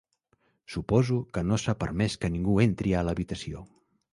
Suposo que no s'ha permès que ningú entri a l'habitació.